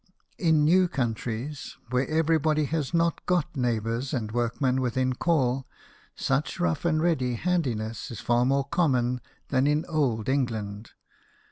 In new countries, where every body has not got neighbours and workmen within call, such rough and ready handiness is far more common than in old England.